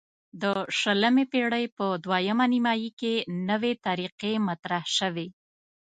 د شلمې پیړۍ په دویمه نیمایي کې نوې طریقې مطرح شوې.